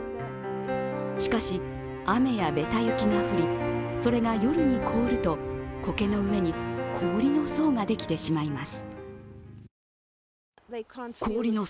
しかし、雨やべた雪が降り、それが夜に凍るとこけの上に、氷の層ができてしまいます。